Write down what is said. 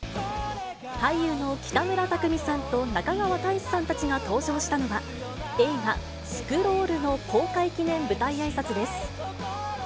俳優の北村匠海さんと中川大志さんたちが登場したのは、映画、スクロールの公開記念舞台あいさつです。